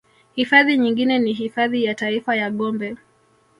Hifadhi nyingine ni hifadhi ya taifa ya Gombe